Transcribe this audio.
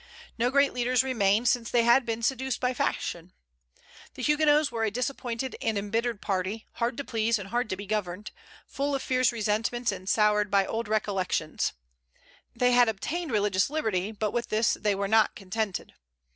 No great leaders remained, since they had been seduced by fashion. The Huguenots were a disappointed and embittered party, hard to please, and hard to be governed; full of fierce resentments, and soured by old recollections. They had obtained religious liberty, but with this they were not contented.